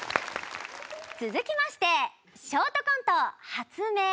続きましてショートコント「発明」。